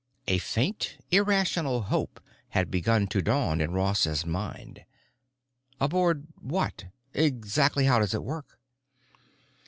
A faint, irrational hope had begun to dawn in Ross's mind. "Aboard what? Exactly how does it work?"